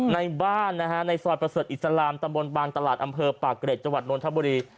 ในบ้านในสวัสดิ์ประเสริฐอิสลามตำบลบางตลาดอำเภอป่าเกรดจวัตรนทบุรี